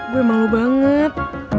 gue malu banget